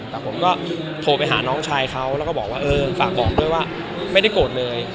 แต่ผมก็โทรไปหาน้องชายเขาแล้วก็บอกว่าเออฝากบอกด้วยว่าไม่ได้โกรธเลย